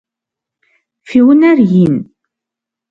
Фи унэр ин?